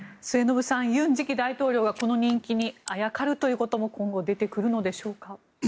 末延さん、尹次期大統領がこの人気にあやかるということも今後、出てくるのでしょうか。